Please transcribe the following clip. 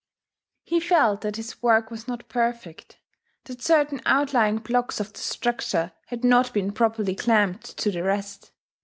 He felt that his work was not perfect, that certain outlying blocks of the structure had not been properly clamped to the rest.